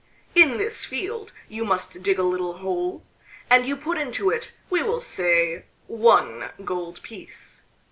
In this field you must dig a little hole, and you put into it, we will say one gold piece.